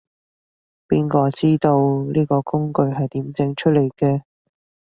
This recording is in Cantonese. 邊個知道，呢個工具係點整出嚟嘅